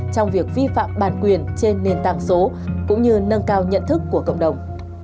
trong việc vi phạm bản quyền trên nền tảng số cũng như nâng cao nhận thức của cộng đồng